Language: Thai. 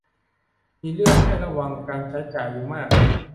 มีเรื่องให้ระวังการใช้จ่ายอยู่มาก